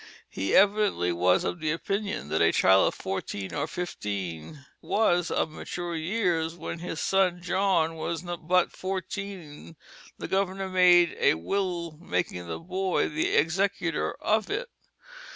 He evidently was of the opinion that a child of fourteen or fifteen was of mature years. When his son John was but fourteen the governor made a will making the boy the executor of it.